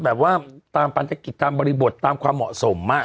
เอาตามปันตะกิจตามบริบทตามความเหมาะสมมาก